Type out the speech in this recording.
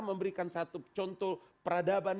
memberikan satu contoh peradaban